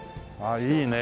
いいね。